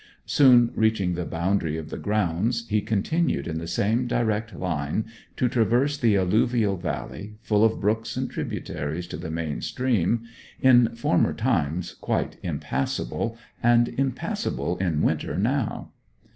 Soon reaching the boundary of the grounds, he continued in the same direct line to traverse the alluvial valley, full of brooks and tributaries to the main stream in former times quite impassable, and impassable in winter now.